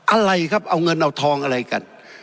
อะไรครับเอาเงินเอาทองอะไรกัน